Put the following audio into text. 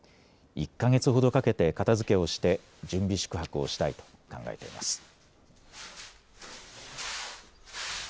１か月ほどかけて片づけをして準備宿泊をしたいと考えています。